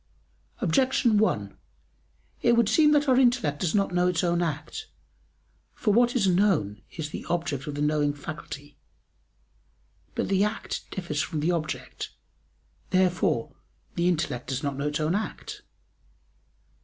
Objection 1: It would seem that our intellect does not know its own act. For what is known is the object of the knowing faculty. But the act differs from the object. Therefore the intellect does not know its own act.